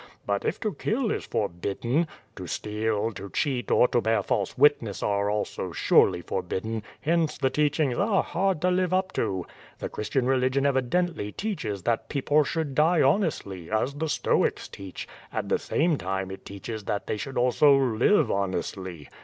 But if to kill is forbidden, to steal, to cheat, or to bear false witness are also surely for bidden, hence the teachings are hard to live up to. Tlie Christian religion evidently teaches that people should die honestly, as the Stoics teach, at the same time it teaches that they should also live honestly.